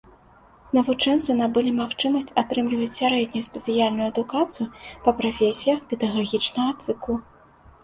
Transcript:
Навучэнцы набылі магчымасць атрымліваць сярэднюю спецыяльную адукацыю па прафесіях педагагічнага цыклу.